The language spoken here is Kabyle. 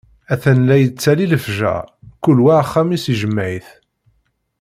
Atan la yettali lefjer, kul wa axxam-is ijmeɛ-it.